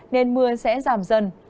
nên mưa sẽ giảm dần